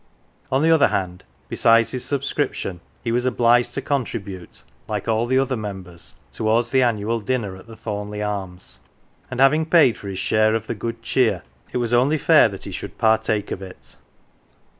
On the other hand, besides his subscription, he was obliged to contribute, like all the other members, towards the annual dinner at the Thornleigh Arms; and, having paid for his share of the good cheer, it was only fair that he should partake of it.